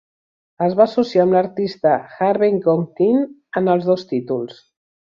Es va associar amb l'artista Harvey Kong Tin en els dos títols.